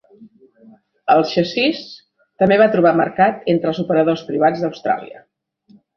El xassís també va trobar mercat entre els operadors privats d'Austràlia.